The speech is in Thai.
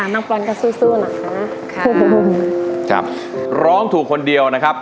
น้องปอนด์ก็สู้นะครับครับครับร้องถูกคนเดียวนะครับ